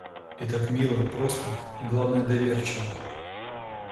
И как мило, просто и, главное, доверчиво!